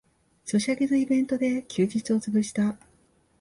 ソシャゲのイベントで休日をつぶした